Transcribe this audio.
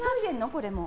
これも。